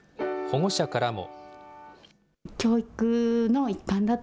保護者からも。